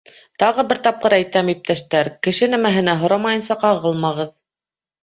Тағы бер тапҡыр әйтәм, иптәштәр, кеше нәмәһенә һорамайынса ҡағылмағыҙ.